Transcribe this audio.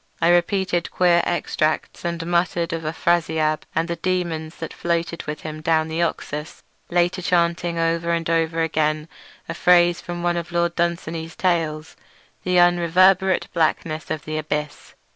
I repeated queer extracts, and muttered of Afrasiab and the daemons that floated with him down the Oxus; later chanting over and over again a phrase from one of Lord Dunsany's tales—"the unreverberate blackness of the abyss".